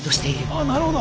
あっなるほど！